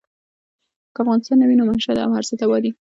که افغانستان نه وي نو محشر دی او هر څه تباه دي.